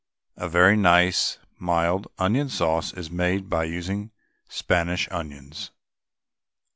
A very nice mild onion sauce is made by using Spanish onions.